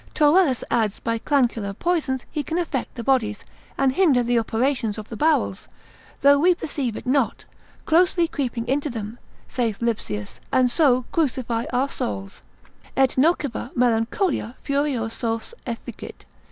Taurellus adds by clancular poisons he can infect the bodies, and hinder the operations of the bowels, though we perceive it not, closely creeping into them, saith Lipsius, and so crucify our souls: Et nociva melancholia furiosos efficit.